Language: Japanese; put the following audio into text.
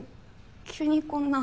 急にこんな。